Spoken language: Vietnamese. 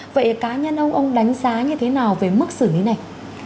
vậy cá nhân ông ông đánh giá như thế nào về mức xử lý này